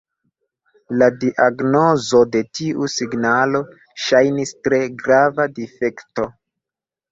La diagnozo de tiu signalo ŝajnis tre grava difekto.